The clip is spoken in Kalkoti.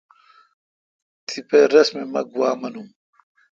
تیپہ رس می مہ گوا تھم۔